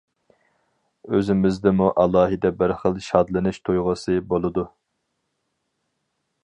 ئۆزىمىزدىمۇ ئالاھىدە بىر خىل شادلىنىش تۇيغۇسى بولىدۇ.